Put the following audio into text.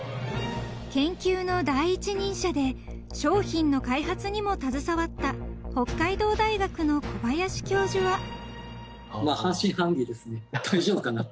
［研究の第一人者で商品の開発にも携わった北海道大学の小林教授は］